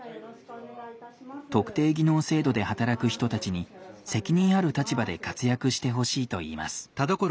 特定技能制度で働く人たちに責任ある立場で活躍してほしいといいます。